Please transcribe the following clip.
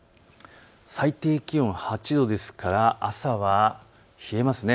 最低気温８度ですから朝は冷えます。